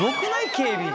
警備。